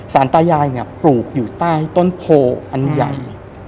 สารตายายเนี่ยปลูกอยู่ใต้ต้นโพอันใหญ่